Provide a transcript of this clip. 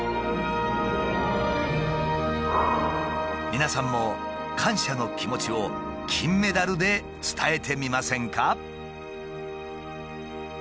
皆さんも感謝の気持ちを金メダルで伝えてみませんか？